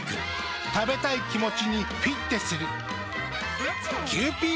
食べたい気持ちにフィッテする。